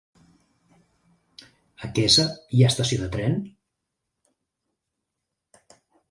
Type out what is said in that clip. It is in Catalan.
A Quesa hi ha estació de tren?